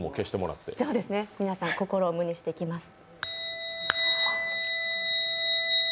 皆さん、心を無にしていきます。